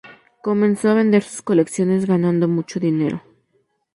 Comenzó a vender sus colecciones, ganando mucho dinero.